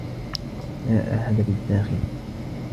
لا أحد بالداخل.